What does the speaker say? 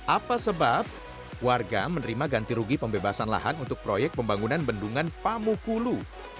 apa sebab warga menerima ganti rugi pembebasan lahan untuk proyek pembangunan bendungan pamukulu